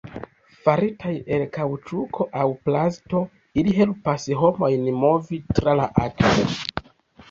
Faritaj el kaŭĉuko aŭ plasto, ili helpas homojn movi tra la akvo.